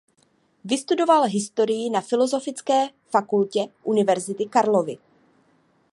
Vystudoval historii na Filozofické fakultě Univerzity Karlovy.